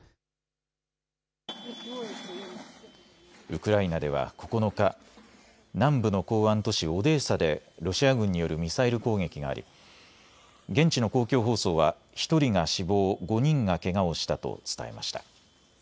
ウクライナでは９日、南部の港湾都市オデーサでロシア軍によるミサイル攻撃があり現地の公共放送は１人が死亡５人がけがをしたと伝えました。